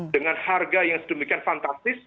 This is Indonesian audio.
dengan harga yang sedemikian fantastis